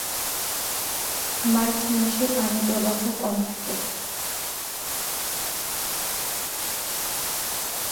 March মাসে পানিপ্রবাহ কম থাকে।